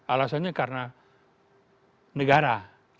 alasannya karena negara